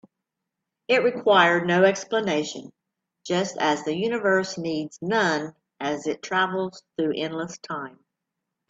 It required no explanation, just as the universe needs none as it travels through endless time.